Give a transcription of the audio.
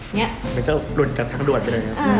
เหมือนจะหลุดจากทางด่วนไปเลยนะครับ